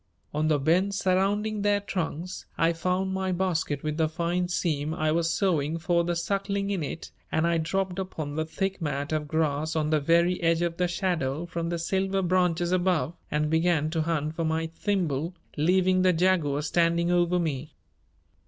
On the bench surrounding their trunks I found my basket with the fine seam I was sewing for the Suckling in it and I dropped upon the thick mat of grass on the very edge of the shadow from the silver branches above and began to hunt for my thimble, leaving the Jaguar standing over me.